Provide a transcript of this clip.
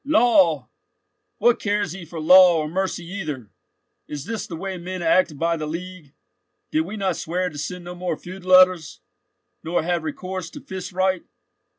"Law?—what cares he for law or mercy either? Is this the way men act by the League? Did we not swear to send no more feud letters, nor have recourse to fist right?"